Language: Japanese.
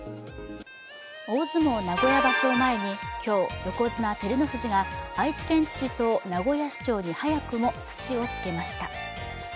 大相撲名古屋場所を前に今日、横綱・照ノ富士が愛知県知事と名古屋市長に早くも土をつけました。